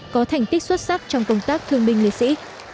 có thành tích xuất sắc trong công tác thương binh liệt sĩ